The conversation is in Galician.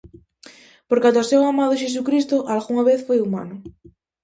Porque ata o seu amado Xesucristo algunha vez foi humano.